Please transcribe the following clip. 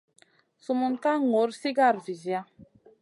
Sumun ka ŋur sigara visia.